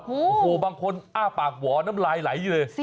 โอ้โหบางคนอ้าปากหวอน้ำลายไหลอยู่เลย